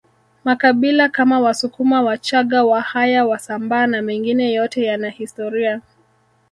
makabila Kama wasukuma wachaga wahaya wasambaa na mengine yote yana historia